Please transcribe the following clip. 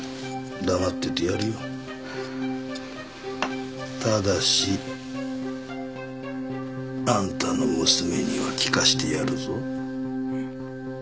黙っててやるよただしあんたの娘には聞かしてやるぞえっ？